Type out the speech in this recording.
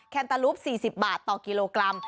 แนตาลูป๔๐บาทต่อกิโลกรัม